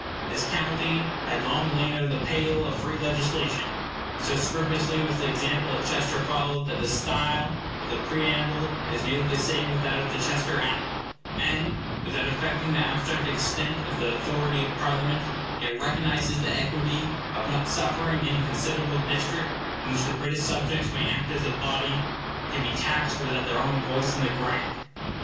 This county had long lain out of the pale of free legislation. So scrupulously was the example of Chester followed that the style of the preamble is nearly the same with that of the Chester Act, and, without affecting the abstract extent of the authority of Parliament, it recognizes the equity of not suffering any considerable district in which the British subjects may act as a body, to be taxed without their own voice in the grant.